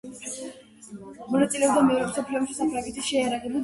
ამის შემდეგ იგი რამდენიმე ხანი კიდევ ხვეწდა იდეას, თუმცა ამაოდ.